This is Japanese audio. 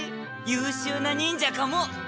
優秀な忍者かも！